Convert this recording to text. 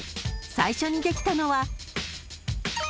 ［最初にできたのは］